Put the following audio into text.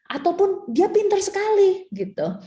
ataupun dia pinter sekali gitu